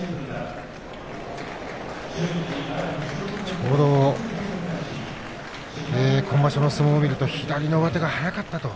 ちょうど今場所の相撲を見ると左の上手が速かったと。